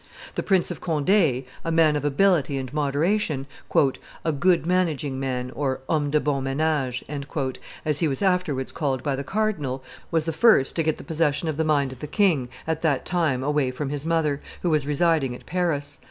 The Prince of Conde, a man of ability and moderation, "a good managing man (homme de bon menage)," as he was afterwards called by the cardinal, was the first to get possession of the mind of the king, at that time away from his mother, who was residing at Paris.